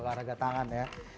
olahraga tangan ya